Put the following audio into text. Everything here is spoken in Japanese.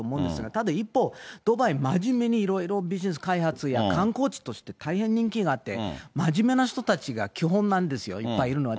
ただ一方、ドバイ、真面目にいろいろビジネス開発や観光地として大変人気があって、真面目な人たちが基本なんですよ、いっぱいいるのは。